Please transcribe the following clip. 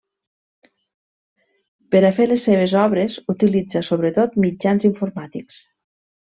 Per a fer les seves obres, utilitza sobretot mitjans informàtics.